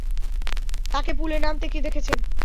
তাকে পুলে নামতে কে দেখেছেন?